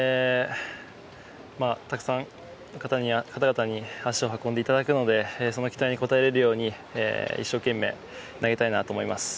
たくさんの方々に足を運んでいただくのでその期待に応えられるように一生懸命投げたいなと思います。